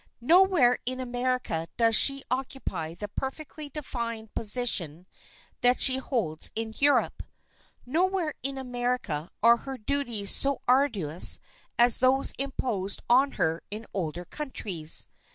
Nowhere in America does she occupy the perfectly defined position that she holds in Europe; nowhere in America are her duties so arduous as those imposed on her in older countries.